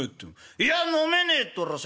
『いや飲めねえ』って俺そう言ったらね